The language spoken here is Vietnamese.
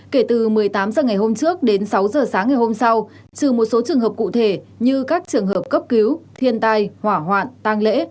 kể từ một mươi tám h ngày hôm trước đến sáu h sáng ngày hôm sau trừ một số trường hợp cụ thể như các trường hợp cấp cứu thiên tai hỏa hoạn tăng lễ